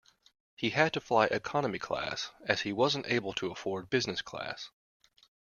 He had to fly economy class, as he wasn't able to afford business class